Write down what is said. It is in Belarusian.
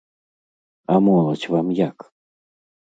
А моладзь вам як?